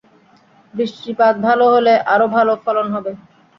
বৃষ্টিপাত ভালো হলে, আরও ভালো ফলন হবে।